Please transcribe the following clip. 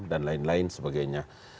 dan lain lain sebagainya